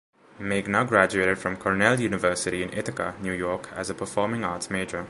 Megna graduated from Cornell University in Ithaca, New York, as a performing arts major.